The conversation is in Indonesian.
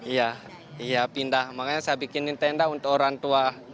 iya iya pindah makanya saya bikinin tenda untuk orang tua